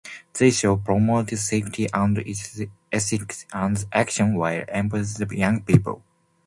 The show promoted safety and ethics and action while empowering young people.